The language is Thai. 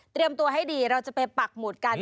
ตัวให้ดีเราจะไปปักหมุดกัน